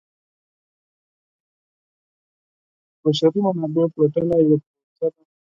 د بشري منابعو پلټنه یوه پروسه ده.